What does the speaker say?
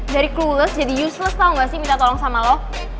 dari clules jadi useles tau gak sih minta tolong sama lo